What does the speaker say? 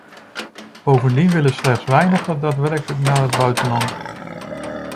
Bovendien willen slechts weinigen daadwerkelijk naar het buitenland.